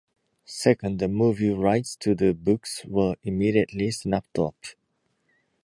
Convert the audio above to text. Second, the movie rights to the books were immediately snapped up.